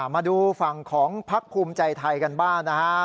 มาดูฝั่งของพักภูมิใจไทยกันบ้างนะฮะ